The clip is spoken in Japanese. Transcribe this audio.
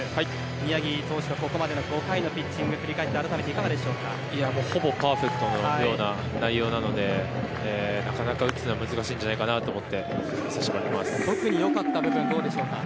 宮城投手のここまでの５回のピッチング振り返ってほぼパーフェクトのような内容なのでなかなか打つのは難しいんじゃないかと思って特に良かった部分どうでしょうか？